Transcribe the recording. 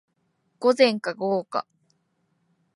午前か午後か